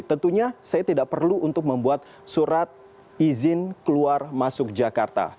tentunya saya tidak perlu untuk membuat surat izin keluar masuk jakarta